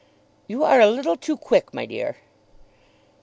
"You are a little too quick, my dear."